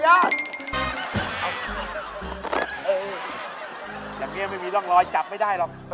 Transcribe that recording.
อย่างนี้ไม่มีร่องรอยจับไม่ได้หรอก